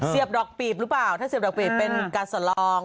ดอกปีบหรือเปล่าถ้าเสียบดอกปีบเป็นการสลอง